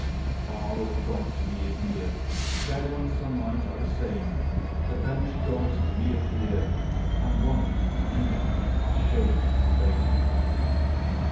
Far or forgot to me is near; Shadow and sunlight are the same; The vanished gods to me appear; And one to me are shame and fame.